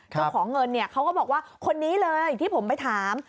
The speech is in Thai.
เจ้าของเงินเนี่ยเขาก็บอกว่าคนนี้เลยที่ผมไปถาม